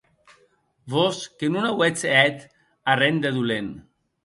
Vos que non auetz hèt arren de dolent.